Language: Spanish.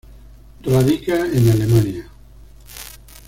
Radica en Alemania.